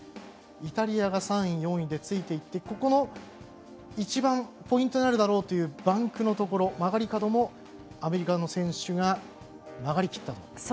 イタリアが３位、４位でついていって一番ポイントになるだろうというバンクのところ曲がり角もアメリカの選手が曲がりきったと。